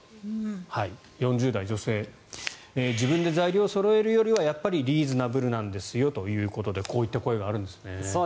４０代女性自分で材料をそろえるよりはやっぱりリーズナブルなんですよということでこういった声があるんですね。